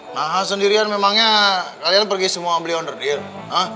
nah sendirian memangnya kalian pergi semua beli under deal